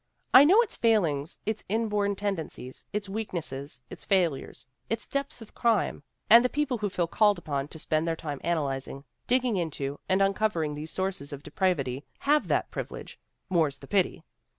'I know its failings, its inborn tendencies, its weaknesses, its failures, its depth of crime; and the people who feel called upon to spend their time analyzing, digging into, and uncovering these sources of depravity have that privilege, more's the pity!